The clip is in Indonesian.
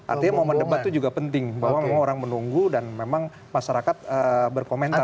artinya momen debat itu juga penting bahwa memang orang menunggu dan memang masyarakat berkomentar